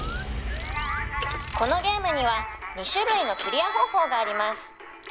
「このゲームには２種類のクリア方法があります」